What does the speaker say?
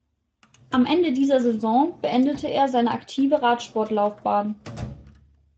Am Ende dieser Saison beendete er seine aktive Radsportlaufbahn.